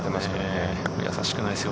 やさしくないですよ